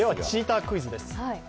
チータークイズです。